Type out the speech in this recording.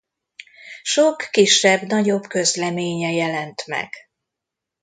Sok kisebb-nagyobb közleménye jelent meg.